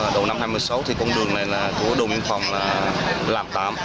đầu năm hai nghìn một mươi sáu công đường này của đồn biên phòng là lập